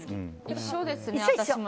一緒ですね、私も。